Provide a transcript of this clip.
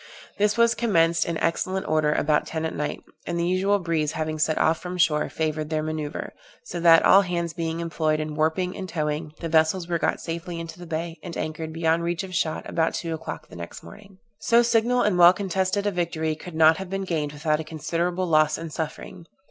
This was commenced in excellent order about ten at night, and the usual breeze having set off from shore favored their manoeuvre, so that, all hands being employed in warping and towing, the vessels were got safely into the bay, and anchored, beyond reach of shot, about two o'clock the next morning. So signal and well contested a victory could not have been gained without a considerable loss and suffering.